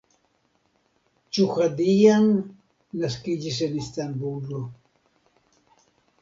Ĉuhadjian naskiĝis en Istanbulo.